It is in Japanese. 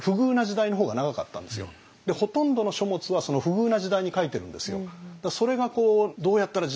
ほとんどの書物はその不遇な時代に書いてるんですよ。